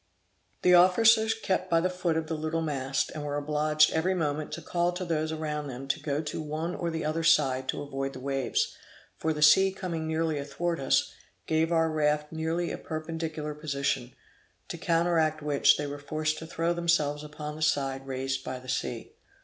The officers kept by the foot of the little mast, and were obliged every moment to call to those around them to go to the one or the other side to avoid the waves; for the sea coming nearly athwart us, gave our raft nearly a perpendicular position, to counteract which, they were forced to throw themselves upon the side raised by the sea.